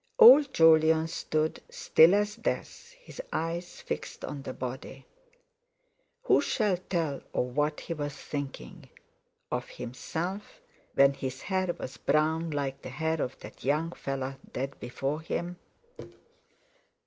Old Jolyon stood, still as death, his eyes fixed on the body. Who shall tell of what he was thinking? Of himself, when his hair was brown like the hair of that young fellow dead before him?